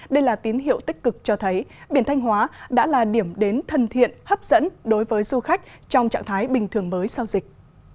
đây là tín hiệu tích cực cho thấy biển thanh hóa đã là điểm đến thân thiện hấp dẫn đối với du khách trong trạng thái bình thường mới sau dịch